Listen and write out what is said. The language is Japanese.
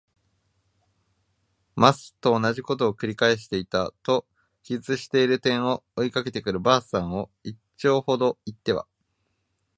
ます。」とおなじことを「くり返していた。」と記述している点を、追いかけてくる婆さんを一町ほど行っては